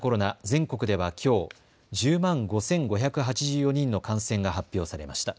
全国ではきょう１０万５５８４人の感染が発表されました。